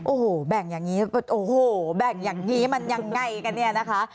โอ้โหแบ่งอย่างนี้ก็โอ้โหแบ่งอย่างนี้มันยังไงกันเนี่ยนะคะ